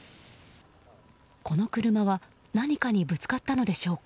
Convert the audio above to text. この車は何かにぶつかったのでしょうか